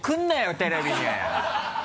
テレビに！